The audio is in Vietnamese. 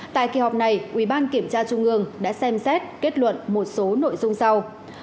tại kỳ họp này ubkt trung ương đã xem xét kết luận một số nội dung sau